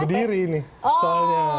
berdiri nih soalnya